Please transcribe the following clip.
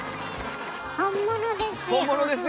本物ですよ。